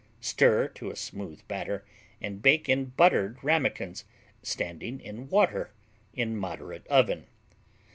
Stir to a smooth batter and bake in buttered ramekins, standing in water, in moderate oven.